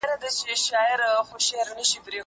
زه پرون پوښتنه وکړه!؟